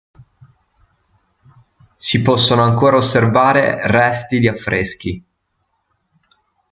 Si possono ancora osservare resti di affreschi.